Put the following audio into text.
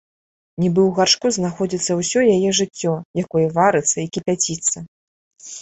Нібы ў гаршку знаходзіцца ўсё яе жыццё, якое варыцца і кіпяціцца.